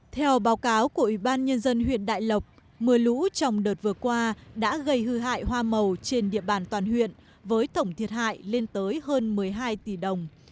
theo báo cáo của ủy ban nhân dân huyện đại lộc mưa lũ trong đợt vừa qua đã gây hư hại hoa màu trên địa bàn toàn huyện với tổng thiệt hại lên tới hơn một mươi hai tỷ đồng